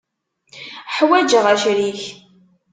Ḥwaǧeɣ acrik.